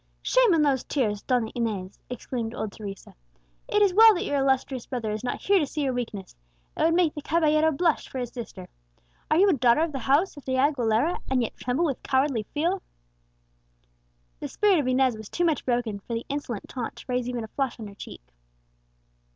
"Shame on those tears, Donna Inez!" exclaimed old Teresa. "It is well that your illustrious brother is not here to see your weakness; it would make the caballero blush for his sister! Are you a daughter of the house of De Aguilera, and yet tremble with cowardly fear?" The spirit of Inez was too much broken for the insolent taunt to raise even a flush on her cheek.